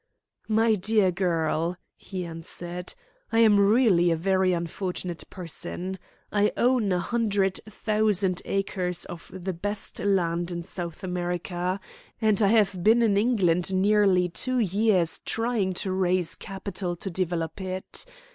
"My dear girl," he answered, "I am really a very unfortunate person. I own a hundred thousand acres of the best land in South America, and I have been in England nearly two years trying to raise capital to develop it.